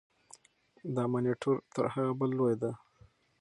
دا مانیټور تر هغه بل لوی دی.